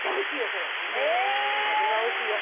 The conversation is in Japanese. これこれはおいしいよ